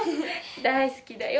大好きだよ！！